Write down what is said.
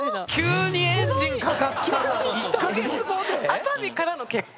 熱海からの結婚？